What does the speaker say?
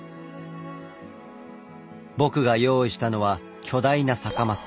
僕が用意したのは巨大な酒ます。